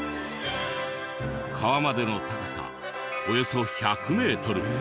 川までの高さおよそ１００メートル。